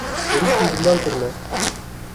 Êrişî gundan kirine.